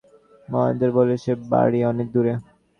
মহেন্দ্র বলিল, সে বাড়ি অনেক দূরে।